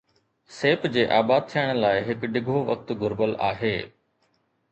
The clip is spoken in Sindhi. سيپ جي آباد ٿيڻ لاءِ هڪ ڊگهو وقت گهربل آهي